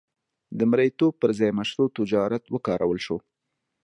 د مریتوب پر ځای مشروع تجارت وکارول شو.